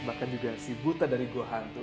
bahkan juga sibuta dari gohantu